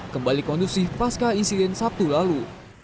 kembali kondisi pasca insilin sabtu lalu